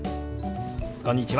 こんにちは！